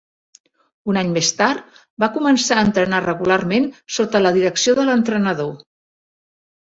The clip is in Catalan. Un any més tard va començar a entrenar regularment sota la direcció de l'entrenador.